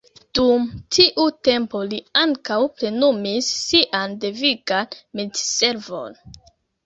Dum tiu tempo li ankaŭ plenumis sian devigan militservon.